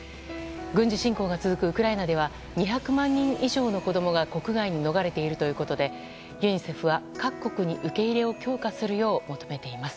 軍事侵攻が続くウクライナでは２００万人以上の子供が国外に逃れているということでユニセフは各国に受け入れを強化するよう求めています。